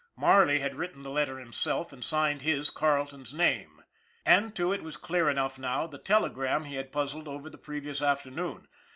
Marley had written the letter himself and signed his, Carleton's, name. And, too, it was clear enough now, the telegram he had puzzled over the pre vious afternoon.